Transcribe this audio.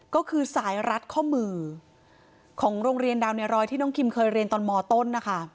ก็คือสายรัดข้อมือของโรงเรียนดาวในรอยที่น้องคิมเคยเรียนตอนมต้นนะคะ